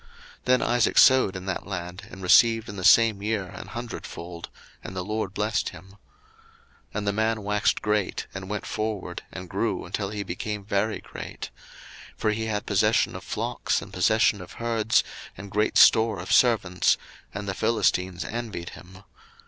01:026:012 Then Isaac sowed in that land, and received in the same year an hundredfold: and the LORD blessed him. 01:026:013 And the man waxed great, and went forward, and grew until he became very great: 01:026:014 For he had possession of flocks, and possession of herds, and great store of servants: and the Philistines envied him.